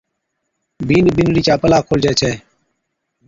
بِينڏَ بِينڏڙِي چا پلا پلِي کوجي ڇَي